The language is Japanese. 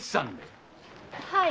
はい。